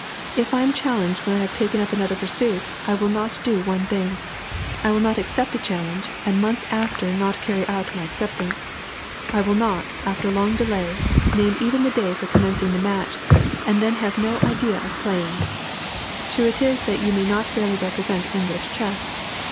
If I am challenged when I have taken up another pursuit I will not do one thing. I will not accept a challenge, and months after not carry out my acceptance. I will not, after long delay, name even the day for commencing the match, and then have no idea of playing. True it is that you may not fairly represent English chess.